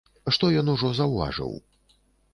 Што ён ужо заўважыў?